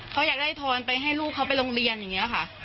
เขาอยากได้ทอนไปให้ลูกเขาไปโรงเรียนอย่างนี้ค่ะ